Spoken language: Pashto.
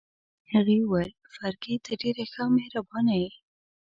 هغې وویل: فرګي، ته ډېره ښه او مهربانه يې.